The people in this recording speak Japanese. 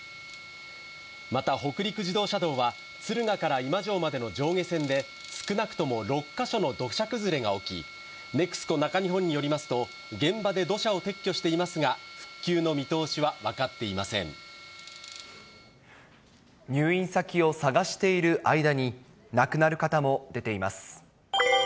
また北陸自動車道は、敦賀から今庄までの上下線で、少なくとも６か所の土砂崩れが起き、ネクスコ中日本によりますと、現場で土砂を撤去していますが、入院先を探している間に、亡くなる方も出ています。